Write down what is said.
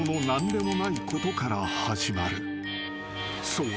［そう。